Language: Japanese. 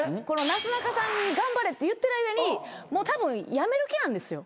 なすなかさんに頑張れって言ってる間にたぶん辞める気なんですよ。